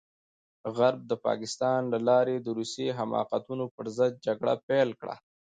غرب د پاکستان له لارې د روسي حماقتونو پرضد جګړه پيل کړه.